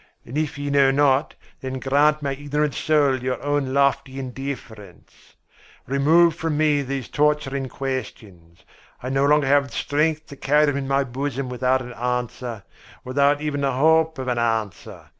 And if ye know not, then grant my ignorant soul your own lofty indifference. Remove from me these torturing questions. I no longer have strength to carry them in my bosom without an answer, without even the hope of an answer.